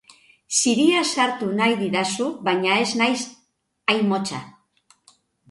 Ziria sartu nahi didazu, baina ez naiz hain motza.